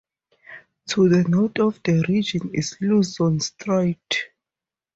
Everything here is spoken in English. To the north of the region is Luzon Strait.